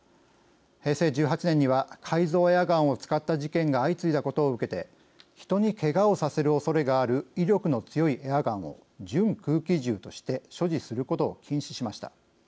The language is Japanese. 平成１８年には改造エアガンを使った事件が相次いだことを受けて人に、けがをさせるおそれがある威力の強いエアガンを準空気銃として所持することを禁止しました。